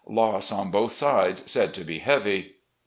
Loss on both sides said to be heavy.